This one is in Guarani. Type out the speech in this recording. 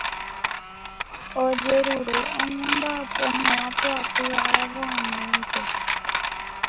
Ojerure oñemba'apo hag̃ua poapy aravo añónte.